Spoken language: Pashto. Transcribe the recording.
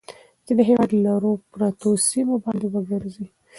چې د هېواد لرو پرتو سيمو باندې وګرځي.